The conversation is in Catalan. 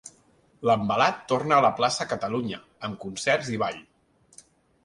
L'Envelat torna a la plaça Catalunya, amb concerts i ball.